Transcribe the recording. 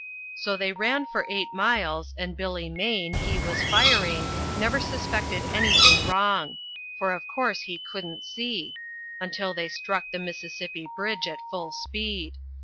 "So they ran for eight miles, and Billy Maine he was firing never suspected anything wrong for of course he couldn't see until they struck the Mississippi bridge at full speed.